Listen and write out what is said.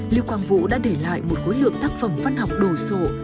lưu quang vũ đã để lại một khối lượng tác phẩm văn học đồ sộ